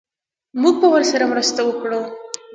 موږ به ورسره مرسته وکړو